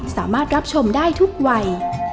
สามารถรับชมได้ทุกวัย